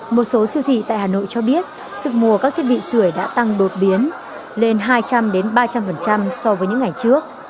một số siêu thị tại hà nội cho biết sức mua các thiết bị sửa đã tăng đột biến lên hai trăm linh ba trăm linh so với những ngày trước